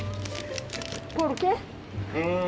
うん。